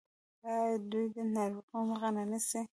آیا دوی د ناروغیو مخه نه نیسي؟